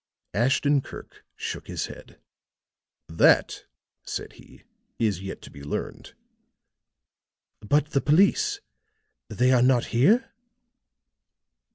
Ashton Kirk shook his head. "That," said he, "is yet to be learned." "But the police? They are not here?"